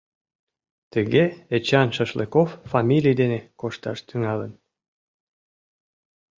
Тыге Эчан Шашлыков фамилий дене кошташ тӱҥалын.